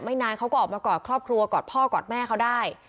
นานเขาก็ออกมากอดครอบครัวกอดพ่อกอดแม่เขาได้